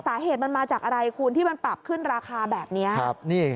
สาเหตุมันมาจากอะไรคุณที่มันปรับขึ้นราคาแบบนี้ครับนี่